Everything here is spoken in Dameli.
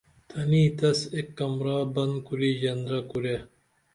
تنی تس ایک کمراہ بند کرُی ژندرہ کُرے